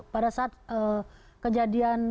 pada saat kejadian